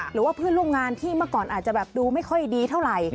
หรือว่าเพื่อนร่วมงานที่เมื่อก่อนอาจจะแบบดูไม่ค่อยดีเท่าไหร่